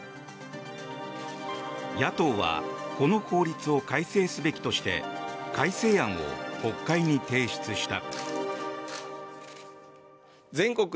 野党はこの法律を改正すべきとして改正案を国会に提出した。